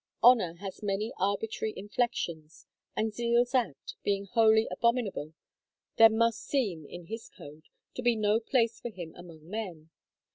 Honor has many arbitrary inflections, and Zeal's act, being wholly abominable, there must seem, in his code, to be no place for him among men.